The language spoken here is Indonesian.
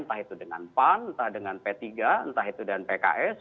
entah itu dengan pan entah dengan p tiga entah itu dan pks